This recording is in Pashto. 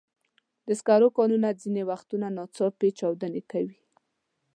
د سکرو کانونه ځینې وختونه ناڅاپي چاودنې کوي.